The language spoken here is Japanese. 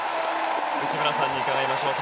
内村さんに伺いましょう。